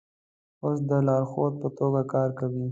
اوس د لارښود په توګه کار کوي.